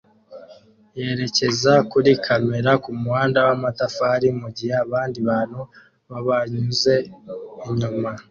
yerekeza kuri kamera kumuhanda wamatafari mugihe abandi bantu babanyuze inyuma